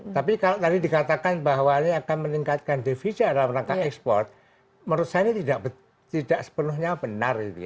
tapi kalau tadi dikatakan bahwa ini akan meningkatkan defisit dalam rangka ekspor menurut saya ini tidak sepenuhnya benar